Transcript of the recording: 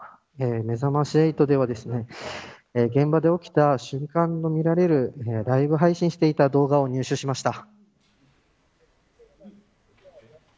めざまし８では現場で起きた瞬間とみられるライブ配信していた動画を入手しました。